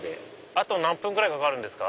あと何分ぐらいかかるんですか？